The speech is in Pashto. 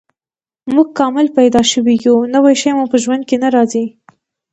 موږ کامل پیدا شوي یو، نوی شی مو په ژوند کې نه راځي.